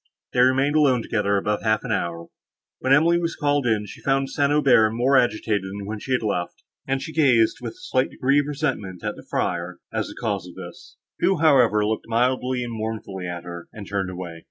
They remained alone together above half an hour; when Emily was called in, she found St. Aubert more agitated than when she had left him, and she gazed, with a slight degree of resentment, at the friar, as the cause of this; who, however, looked mildly and mournfully at her, and turned away.